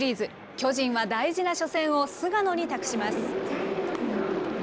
巨人は大事な初戦を菅野に託します。